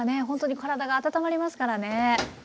本当に体が温まりますからね。